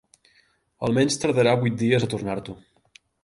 Almenys tardarà vuit dies a tornar-t'ho.